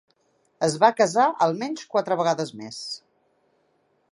Es va casar almenys quatre vegades més.